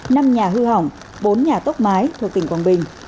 năm nhà hư hỏng bốn nhà tốc mái thuộc tỉnh quảng bình